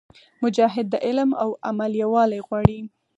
مجاهد د علم او عمل یووالی غواړي.